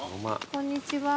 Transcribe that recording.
こんにちは。